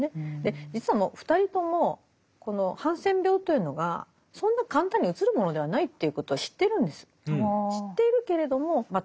実は２人ともこのハンセン病というのがそんな簡単にうつるものではないということは知ってるんです。